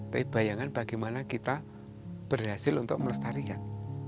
tapi bayangan bagaimana kita berhasil untuk melestarikan